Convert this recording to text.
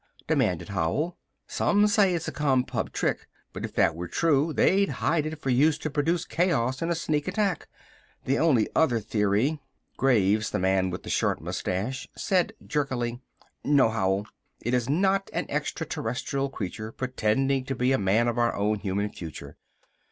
demanded Howell. "Some say it's a Compub trick. But if they were true they'd hide it for use to produce chaos in a sneak attack. The only other theory "Graves, the man with the short moustache, said jerkily: "No, Howell! It is not an extra terrestrial creature pretending to be a man of our own human future.